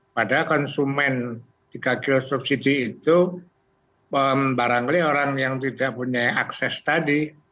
padahal konsumen tiga kg subsidi itu barangkali orang yang tidak punya akses tadi